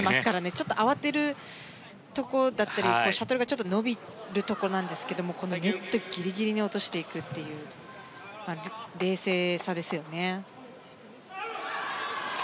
ちょっと慌てるところだったりシャトルがちょっと伸びるところなんですけどこのネットギリギリに落としていくという冷静さですよね。